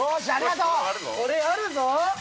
これあるぞ！